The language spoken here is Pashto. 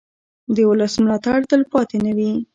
د ولس ملاتړ تلپاتې نه وي